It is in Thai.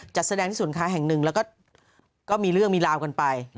จัดแสดงที่ศูนย์ค้าแห่งหนึ่งแล้วก็มีเรื่องมีราวกันไป